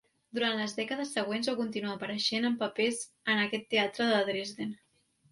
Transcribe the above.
Durant les dècades següents va continuar apareixent en papers en aquest teatre de Dresden.